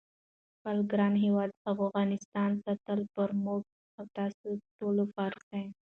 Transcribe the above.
خپل ګران هیواد افغانستان ساتل پر موږ او تاسی ټولوفرض دی